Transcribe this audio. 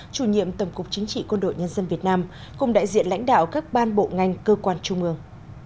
chủ nhiệm tổng cục chính trị quân đội nhân dân việt nam cùng đại diện lãnh đạo các ban bộ ngành cơ quan trung ương